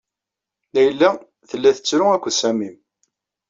Layla tella tettru akked Samim